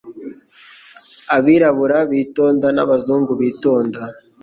Abirabura bitonda n' abazungu bitonda,